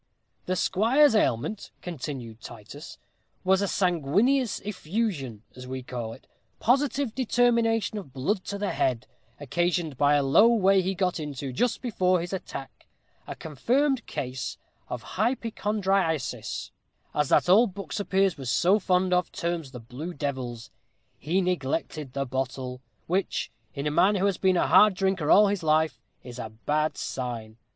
"The squire's ailment," continued Titus, "was a sanguineous effusion, as we call it positive determination of blood to the head, occasioned by a low way he got into, just before his attack a confirmed case of hypochondriasis, as that ould book Sir Piers was so fond of terms the blue devils. He neglected the bottle, which, in a man who has been a hard drinker all his life, is a bad sign.